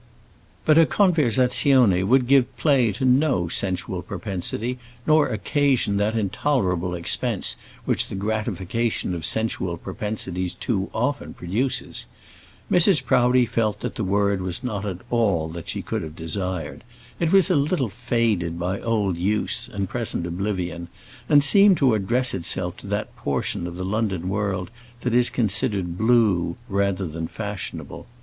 But a conversazione would give play to no sensual propensity, nor occasion that intolerable expense which the gratification of sensual propensities too often produces. Mrs. Proudie felt that the word was not all that she could have desired. It was a little faded by old use and present oblivion, and seemed to address itself to that portion of the London world that is considered blue, rather than fashionable.